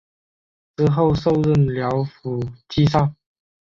之后授任辽府纪善。